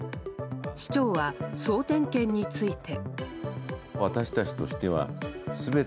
市長は総点検について。